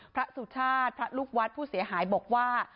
สุชาติพระลูกวัดผู้เสียหายบอกว่า